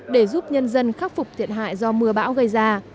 để giúp nhân dân khắc phục thiệt hại do mưa bão gây ra